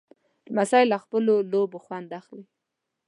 لمسی له خپلو لوبو خوند اخلي.